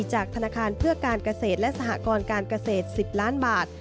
จากธนาคารเพื่อการเกษตรและสหกรการเกษตร๑๐ล้านบาท